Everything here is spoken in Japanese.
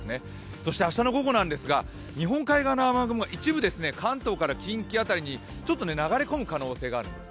そして明日の午後なんですが日本海側の雨雲が一部関東から近畿あたりにちょっと流れ込む可能性があります。